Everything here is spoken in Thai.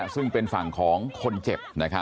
ซึ่งเป็นฝั่งของคนเจ็บนะครับ